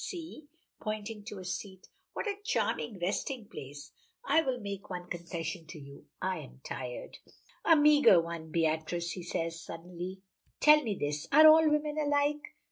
See," pointing to a seat, "what a charming resting place! I will make one confession to you. I am tired." "A meagre one! Beatrice," says he suddenly, "tell me this: are all women alike?